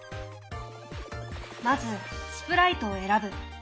まずスプライトを選ぶ。